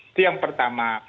itu yang pertama